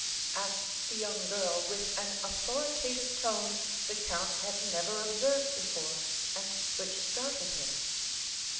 asked the young girl, with an authoritative tone the count had never observed before, and which startled him.